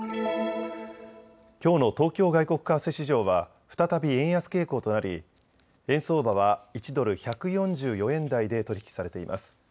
きょうの東京外国為替市場は再び円安傾向となり円相場は１ドル１４４円台で取り引きされています。